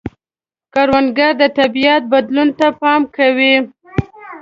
کروندګر د طبیعت بدلون ته پام کوي